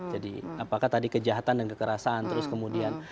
jadi apakah tadi kejahatan dan kekerasan terus kemudian